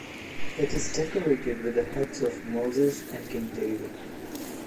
It is decorated with the heads of Moses and King David.